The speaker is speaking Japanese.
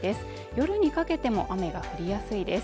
夜にかけても雨が降りやすいです